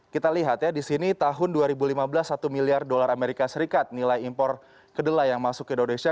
kita lihat ya di sini tahun dua ribu lima belas satu miliar dolar amerika serikat nilai impor kedelai yang masuk ke indonesia